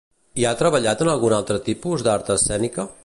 I ha treballat en algun altre tipus d'art escènica?